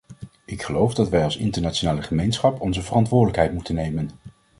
Ik geloof dat wij als internationale gemeenschap onze verantwoordelijkheid moeten nemen.